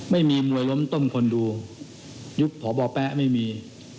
ไม่มีมวยล้มต้มคนดูยุคพบแป๊ะไม่มี